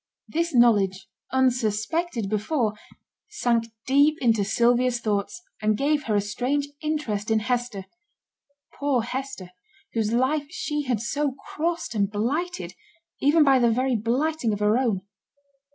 This knowledge, unsuspected before, sank deep into Sylvia's thoughts, and gave her a strange interest in Hester poor Hester, whose life she had so crossed and blighted, even by the very blighting of her own.